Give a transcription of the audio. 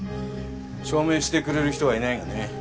証明してくれる人はいないがね。